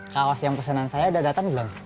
kawas yang pesenan saya udah datang belum